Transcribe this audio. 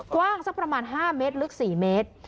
กว้างสักประมาณ๕เมตรลึก๔เมตร